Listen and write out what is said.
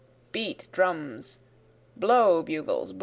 beat! drums! blow! bugles!